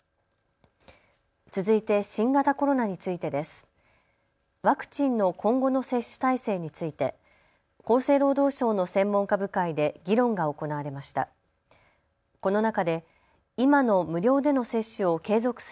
続いて新型コロナについてです。